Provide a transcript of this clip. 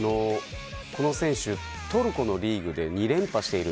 この選手、トルコのリーグで２連覇している。